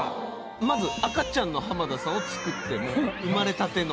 まず赤ちゃんの浜田さんを作ってもう生まれたての。